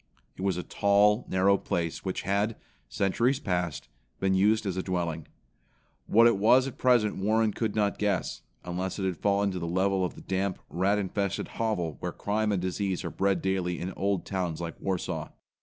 It was a tall, narrow place which had, centuries past, been used as a dwelling. What it was at present Warren could not guess, unless it had fallen to the level of the damp, rat infested hovel where crime and disease are bred daily in old towns like Warsaw.